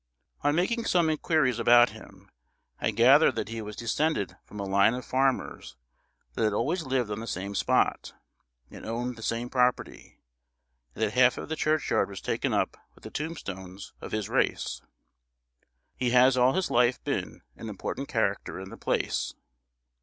On making some inquiries about him, I gathered that he was descended from a line of farmers that had always lived on the same spot, and owned the same property; and that half of the churchyard was taken up with the tombstones of his race. He has all his life been an important character in the place.